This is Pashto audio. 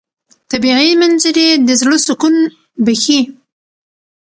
طبیعي منظرې د زړه سکون بښي.